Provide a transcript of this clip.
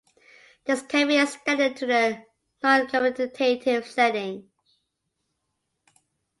This can be extended to the noncommutative setting.